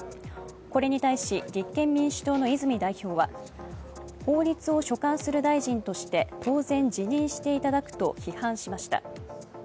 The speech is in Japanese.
これに対し、立憲民主党の泉代表は、法律を所管する大臣として当然、辞任していただくと批判しました。